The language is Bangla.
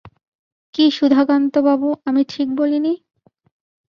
কি সুধাকান্তবাবু, আমি ঠিক বলি নি?